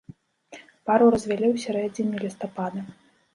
Пару развялі ў сярэдзіне лістапада.